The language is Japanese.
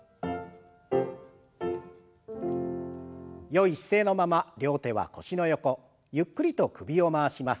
よい姿勢のまま両手は腰の横ゆっくりと首を回します。